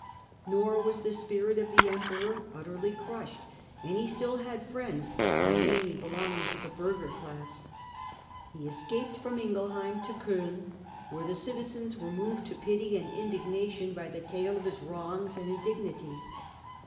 Nor was the spirit of the emperor utterly crushed, and he still had friends, though mainly belonging to the burgher class. He escaped from Ingelheim to C5ln, where the citizens were moved to pity and indignation by the tale of his' wrongs and indignities.